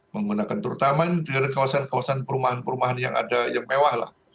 menggunakan terutama di kawasan kawasan perumahan perumahan yang ada yang mewah lah